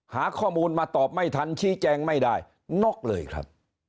หาข้อมูลมาตอบไม่ทันชี้แจงไม่ได้น็อกเลยครับ